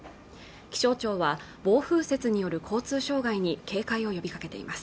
気象庁は暴風雪による交通障害に警戒を呼びかけています